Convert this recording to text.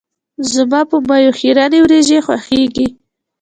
زما په میو خیرنې وريژې خوښیږي.